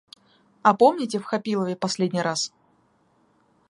А помните в Хапилове последний раз?